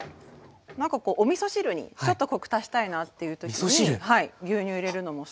なんかおみそ汁にちょっとコク足したいなっていう時に牛乳入れるのもすごくおすすめ。